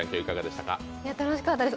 楽しかったです。